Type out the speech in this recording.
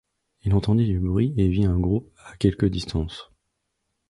Il entendit du bruit et vit un groupe à quelque distance.